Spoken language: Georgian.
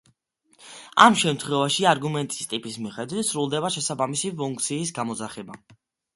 ამ შემთხვევაში, არგუმენტის ტიპის მიხედვით სრულდება შესაბამისი ფუნქციის გამოძახება.